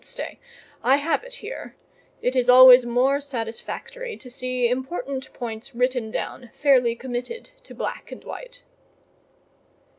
Stay! I have it here—it is always more satisfactory to see important points written down, fairly committed to black and white."